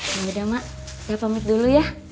yaudah mak saya pamit dulu ya